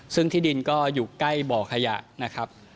ซึ่งที่ดินก็อยู่ใกล้บ่อขยะนะครับ